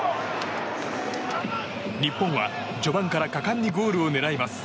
日本は序盤から果敢にゴールを狙います。